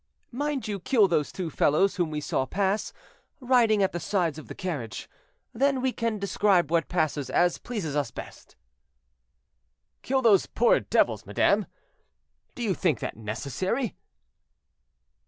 "Mind you kill those two fellows whom we saw pass, riding at the sides of the carriage, then we can describe what passes as pleases us best." "Kill those poor devils, madame! do you think that necessary?"